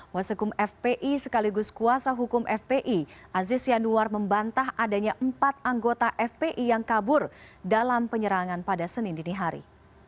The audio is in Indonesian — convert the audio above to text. wasekum fpi sekaligus kuasa hukum fpi aziz yanuar membantah adanya empat anggota fpi yang kabur dalam penyerangan pada senin dinihari